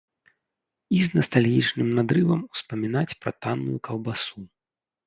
І з настальгічным надрывам успамінаць пра танную каўбасу.